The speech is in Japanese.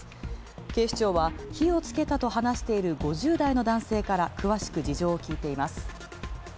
警視庁は火をつけたと話している、５０代の男性から詳しく事情をきいています。